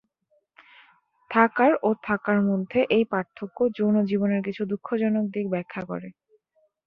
থাকার ও থাকার মধ্যে এই পার্থক্য যৌন জীবনের কিছু দুঃখজনক দিক ব্যাখ্যা করে।